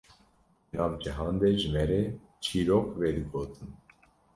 di nav cihan de ji me re çîrok vedigotin